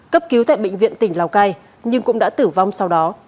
cấp cứu tại bệnh viện tỉnh lào cai nhưng cũng đã tử vong sau đó